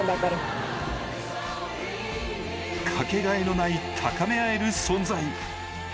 かけがえのない高め合える存在。